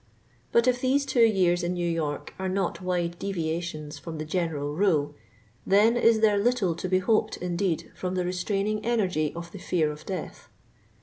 But if these two years in New York are not wide deviations from the general rule, then is there little to be hoped indeed from the restraining energy of the fear of death.